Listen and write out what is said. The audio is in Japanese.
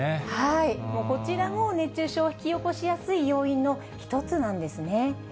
こちらも熱中症を引き起こしやすい要因の一つなんですね。